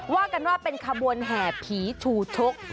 ว่ากันว่าเป็นขบวนแห่ผีชูชก